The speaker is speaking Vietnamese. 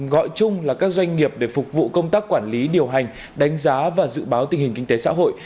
gọi chung là các doanh nghiệp để phục vụ công tác quản lý điều hành đánh giá và dự báo tình hình kinh tế xã hội